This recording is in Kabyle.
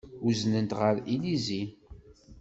Uznen-t ɣer Illizi.